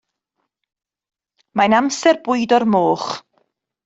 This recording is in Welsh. Mae'n amser bwydo'r moch.